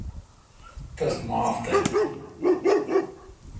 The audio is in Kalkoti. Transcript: تس معاف تھ۔